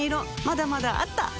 まだまだあった！